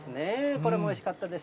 これもおいしかったです。